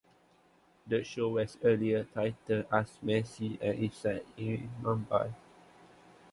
The show was earlier titled as "Messy" and is set in Mumbai.